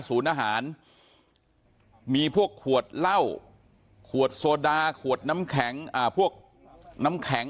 อาหารมีพวกขวดเหล้าขวดโซดาขวดน้ำแข็งอ่าพวกน้ำแข็ง